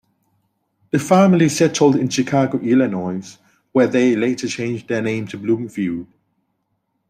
The family settled in Chicago, Illinois where they later changed their name to Bloomfield.